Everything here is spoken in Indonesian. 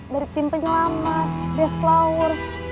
dari tim penyelamat base flowers